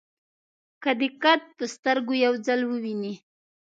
که دې قد په سترګو یو ځل وویني.